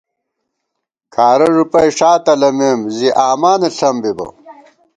کھارہ ݫُپَئ ݭا تلَمېم ، زی آمانہ ݪم بِبہ